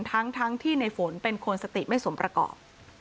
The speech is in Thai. ทั้งที่ในฝนเป็นคนสติไม่สมประกอบ